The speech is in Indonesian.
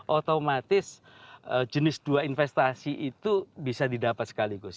otomatis jenis dua investasi itu bisa didapat sekaligus